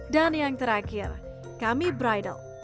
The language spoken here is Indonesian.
dan yang terakhir kami bridal